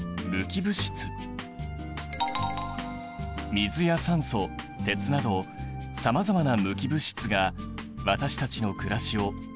水や酸素鉄などさまざまな無機物質が私たちの暮らしを支えている。